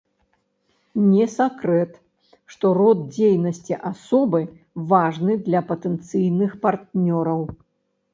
Не сакрэт, што род дзейнасці асобы важны для патэнцыйных партнёраў.